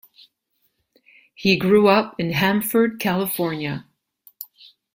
He grew up in Hanford, California.